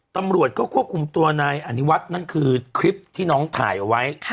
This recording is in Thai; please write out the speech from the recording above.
ตำรวจก็ควบคุมตัวนายอนิวัฒน์นั่นคือคลิปที่น้องถ่ายเอาไว้